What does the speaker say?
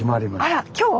あら今日？